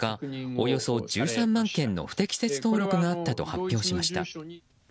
およそ１３万件の不適切登録があったと発表しました。